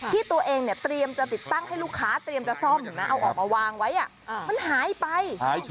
ที่ตัวเองเนี่ยเตรียมจะติดตั้งให้ลูกค้าเตรียมจะซ่อมเห็นไหมเอาออกมาวางไว้มันหายไป